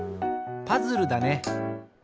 パズルだね。